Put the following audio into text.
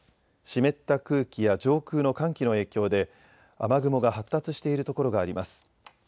湿った空気や上空の寒気の影響で雨雲が発達しているところがあります。